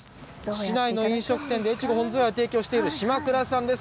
市内の飲食店で、越後本ズワイを提供している島倉さんです。